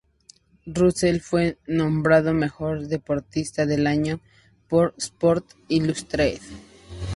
Russell fue nombrado "Mejor Deportista del Año" por Sports Illustrated.